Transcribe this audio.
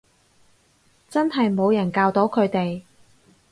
真係冇人教到佢哋